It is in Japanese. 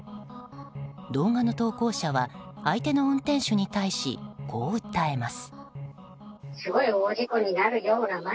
動画の投稿者は相手の運転手に対しこう訴えます。